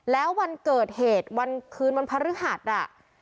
แล้ววันเกิดเหตุวันคืนวันพระฤหัสอ่ะ